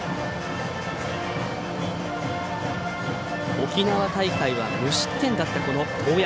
沖縄大会は無失点だった當山。